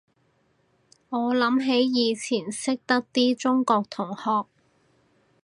我諗起以前識得啲中國同學